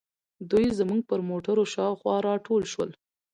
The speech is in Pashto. دوی زموږ پر موټرو شاوخوا راټول شول.